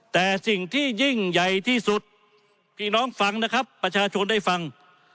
แต่สิ่งที่ยิ่งใหญ่ที่สุดพี่น้องฟังนะครับประชาชนได้ฟัง